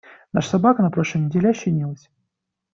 Наша собака на прошлой неделе ощенилась.